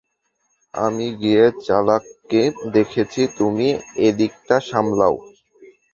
আমি গিয়ে চালককে দেখছি, তুমি এদিকটা সামলাও।